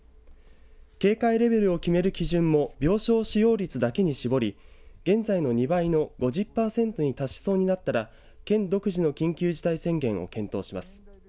警戒レベルを決める基準も病床使用率だけに絞り現在の２倍の５０パーセントに達しそうになったら県独自の緊急事態宣言を検討します。